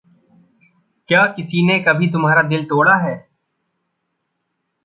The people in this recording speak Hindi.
क्या किसी ने कभी तुम्हारा दिल तोड़ा है?